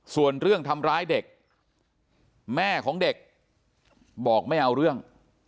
ส่วนเรื่องทำร้ายเด็กแม่ของเด็กบอกไม่เอาเรื่อง